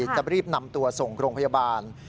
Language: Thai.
จะรีบนำตัวส่งโรงพยาบาล